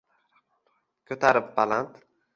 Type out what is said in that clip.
Ko’tarib baland.